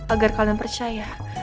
agar kalian percaya